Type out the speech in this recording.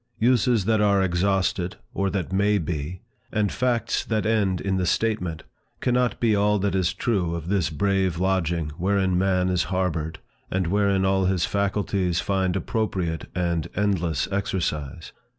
Uses that are exhausted or that may be, and facts that end in the statement, cannot be all that is true of this brave lodging wherein man is harbored, and wherein all his faculties find appropriate and endless exercise.